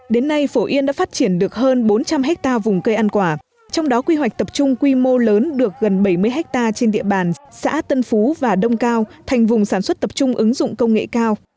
đến nay phổ yên đã phát triển được hơn bốn trăm linh hectare vùng cây ăn quả trong đó quy hoạch tập trung quy mô lớn được gần bảy mươi hectare trên địa bàn xã tân phú và đông cao thành vùng sản xuất tập trung ứng dụng công nghệ cao